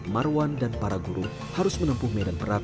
marwan dan para guru harus menempuh merah terat